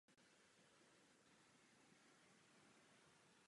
I když kompromis navrhl zmírnění, nepřináší žádné zlepšení.